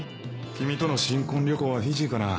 君との新婚旅行はフィジーかな。